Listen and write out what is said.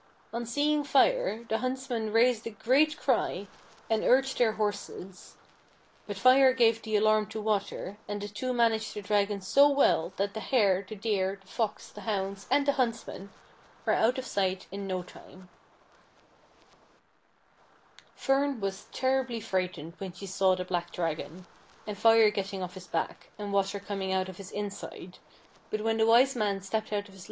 On seeing Fire, the huntsmen raised a great cry, and urged their horses ; but Fire gave the alarm to Water, and the two managed the Dragon so well that the Hare, the Deer, the Fox, the hound.s, and the huntsmen were out of sight in no time. Ii8 FIRE AND WATER. Fern was terribly frightened when she saw the black Dragon, and Fire getting off his back, and Water coming out of his inside; but when the Wise Man stepped out of his litt'.